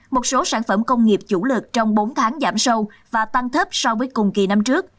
một số sản phẩm công nghiệp chủ lực trong bốn tháng giảm sâu và tăng thấp so với cùng kỳ năm trước